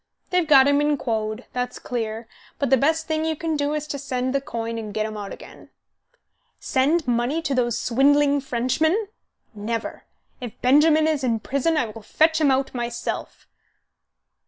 They've got him in quod, that's clear, and the best thing you can do is to send the coin and get him out again." "Send money to those swindling Frenchmen? Never! If Benjamin is in prison I will fetch him out myself."